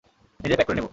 নিজেই প্যাক করে নেব।